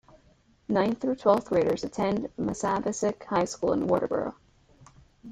Ninth through twelfth graders attend Massabesic High School in Waterboro.